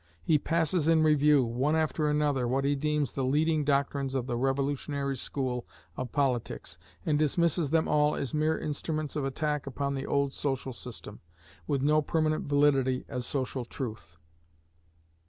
He passes in review, one after another, what he deems the leading doctrines of the revolutionary school of politics, and dismisses them all as mere instruments of attack upon the old social system, with no permanent validity as social truth.